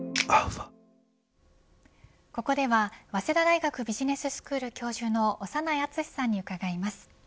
ここでは、早稲田大学ビジネススクール教授の長内厚さんに伺います。